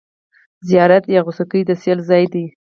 زیارت یا غوڅکۍ د سېل ځای دی.